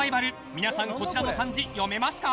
皆さん、こちらの漢字読めますか？